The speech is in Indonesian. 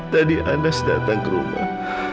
tadi anas datang ke rumah